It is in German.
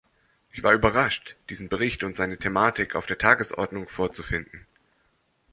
Ich war überrascht, diesen Bericht und seine Thematik auf der Tagesordnung vorzufinden.